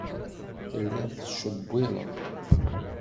Telliḍ tettcewwileḍ.